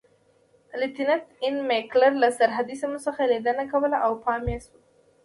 لیتننت اېن میکلر له سرحدي سیمو څخه لیدنه کوله او پام یې شو.